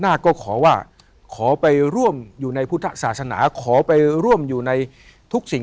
หน้าก็ขอว่าขอไปร่วมอยู่ในพุทธศาสนาขอไปร่วมอยู่ในทุกสิ่ง